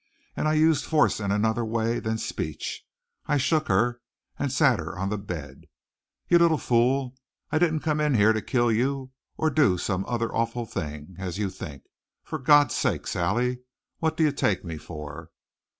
And I used force in another way than speech. I shook her and sat her on the bed. "You little fool, I didn't come in here to kill you or do some other awful thing, as you think. For God's sake, Sally, what do you take me for?"